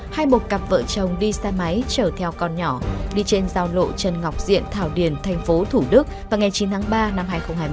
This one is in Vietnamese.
hai một cặp vợ chồng đi xe máy chở theo con nhỏ đi trên giao lộ trần ngọc diện thảo điền thành phố thủ đức vào ngày chín tháng ba năm hai nghìn hai mươi